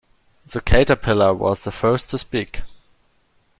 The Caterpillar was the first to speak.